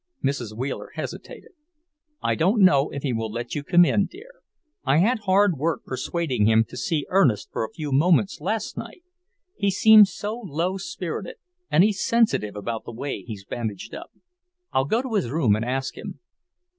Mrs. Wheeler hesitated. "I don't know if he will let you come in, dear. I had hard work persuading him to see Ernest for a few moments last night. He seems so low spirited, and he's sensitive about the way he's bandaged up. I'll go to his room and ask him."